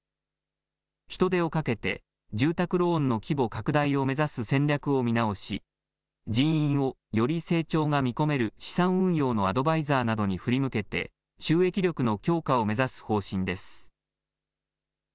人手をかけて住宅ローンの規模拡大を目指す戦略を見直し人員をより成長が見込める資産運用のアドバイザーなどに振り向けて収益力の強化を目指す方針です。